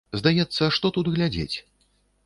Здаецца, што тут глядзець?